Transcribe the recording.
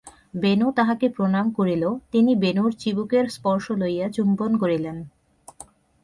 বেণু তাঁহাকে প্রণাম করিল, তিনি বেণুর চিবুকের স্পর্শ লইয়া চুম্বন করিলেন।